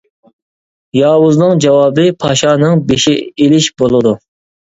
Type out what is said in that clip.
ياۋۇزنىڭ جاۋابى پاشانىڭ بېشى ئېلىش بولىدۇ.